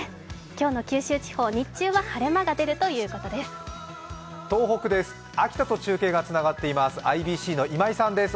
今日の九州地方、日中は晴れ間が出るということです。